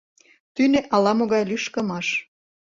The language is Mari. Тӱнӧ ала-могай лӱшкымаш...